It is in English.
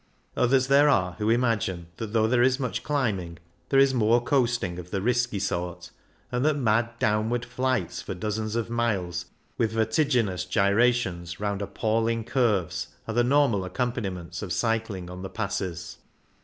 Others there are who imagine that, though there is much climb ing, there is more coasting of the risky sort, and that mad downward flights for dozens of miles, with vertiginous gyrations round appalling curves, are the normal accompaniments of cycling on the passes.